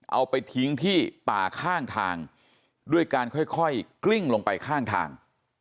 เอาไปทิ้งที่ป่าข้างทางด้วยการค่อยกลิ้งลงไปข้างทาง